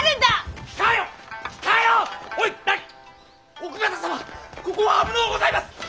奥方様ここは危のうございます！